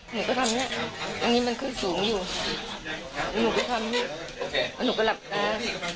หนูก็ทำเนี้ยอันนี้มันคือสูงอยู่หนูก็ทำเนี้ยหนูก็หลับตา